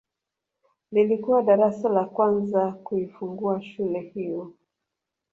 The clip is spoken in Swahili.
Lilikuwa darasa la kwanza kuifungua shule hiyo